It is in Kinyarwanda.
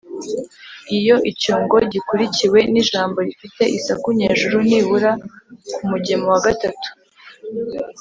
Iyo icyungo gikurikiwe n’ijambo rifite isaku nyejuru ni bura ku mugemo wa gatatu,